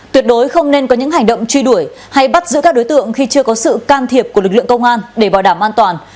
tuyệt đối không nên có những hành động truy đuổi hay bắt giữ các đối tượng khi chưa có sự can thiệp của lực lượng công an để bảo đảm an toàn